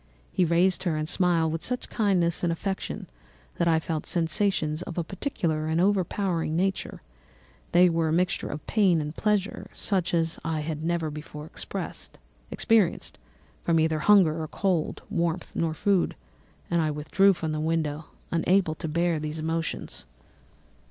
He raised her and smiled with such kindness and affection that I felt sensations of a peculiar and overpowering nature; they were a mixture of pain and pleasure, such as I had never before experienced, either from hunger or cold, warmth or food; and I withdrew from the window, unable to bear these emotions.